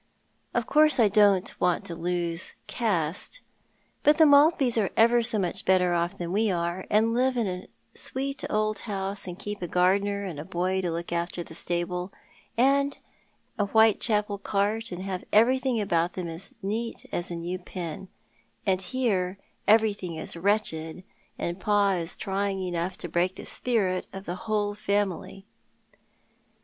Of course, I don't want to lose caste, but the Maltbys are ever so much better otf than we are, and live in a sweet old house, and keep a gardener, and a boy to look after the stable, and a Whitecbapel cart, and have everything about them as neat as a new pin, and here everything is wretched, and pa is trying enough to break the spirit of the whole family."